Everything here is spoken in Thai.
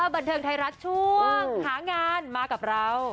บันเทิงไทยรัฐช่วงหางานมากับเรา